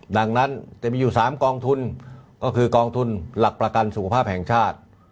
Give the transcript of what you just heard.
ดังนั้นจะมีอยู่๓กองทุนก็คือกองทุนหลักประกันสุขภาพแห่งชาติ